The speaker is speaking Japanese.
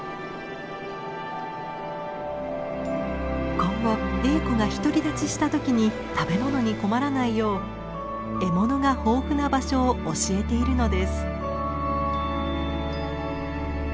今後エーコが独り立ちした時に食べものに困らないよう獲物が豊富な場所を教えているのです。